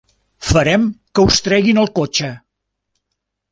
Farem que us treguin el cotxe.